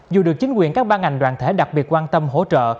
dù được chính quyền các ban ngành đoàn thể đặc biệt quan tâm hỗ trợ